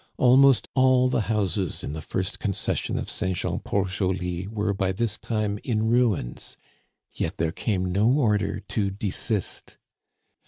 Almost all the houses in the first concession of St. Jean Port Joli were by this time in ruins, yet there came no order to desist.